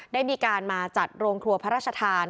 ได้มีการมาจัดโรงครัวพระราชทาน